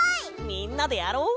みんなでやろう！